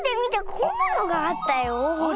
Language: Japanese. こんなのがあったよほら。